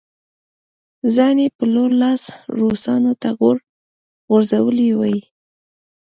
ځان یې په لوی لاس روسانو ته غورځولی وای.